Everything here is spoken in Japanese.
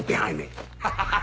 アハハハ！